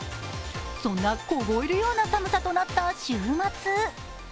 そんな凍えるような寒さとなった週末。